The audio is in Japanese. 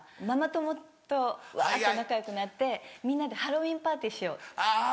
ママ友とわっと仲良くなって「みんなでハロウィーンパーティーしよう」。